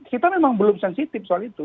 kita memang belum sensitif soal itu